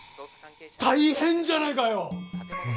大変じゃないかよ！